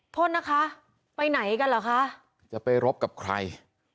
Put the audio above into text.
โทษนะคะไปไหนกันเหรอคะจะไปรบกับใคร